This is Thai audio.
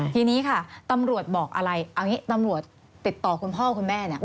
ทีนี้ค่ะตำรวจบอกอะไรเอาอย่างนี้ตำรวจติดต่อคุณพ่อคุณแม่เนี่ย